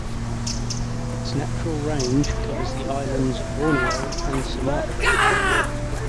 Its natural range covers the islands Borneo and Sumatra.